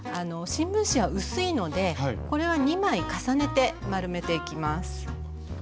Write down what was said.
新聞紙は薄いのでこれは２枚重ねて丸めていきます。